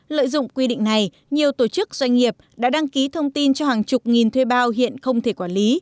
lợi dụng quy định này nhiều tổ chức doanh nghiệp đã đăng ký thông tin cho hàng chục nghìn thuê bao hiện không thể quản lý